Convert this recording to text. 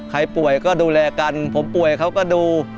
ใครป่วยก็ดูแลกันผมป่วยเขาก็ดู